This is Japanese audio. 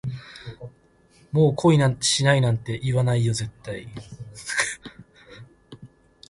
もう恋なんてしないなんて、言わないよ絶対